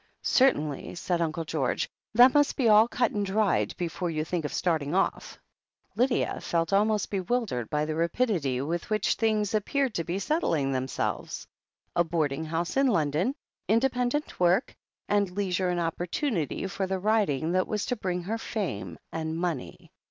"Certainly," said Uncle George, "that must be all cut and dried before you think of starting off." Lydia felt almost bewildered by the rapidity with which things appeared to be settling themselves. A boarding house in London, independent work, and leisure and opportunity for the writing that was to bring her fame and money!